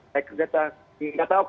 jika orang orang di depan kereta